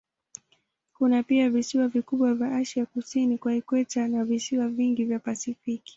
Kuna pia visiwa vikubwa vya Asia kusini kwa ikweta na visiwa vingi vya Pasifiki.